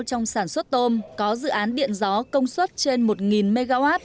trong sản xuất tôm có dự án điện gió công suất trên một mw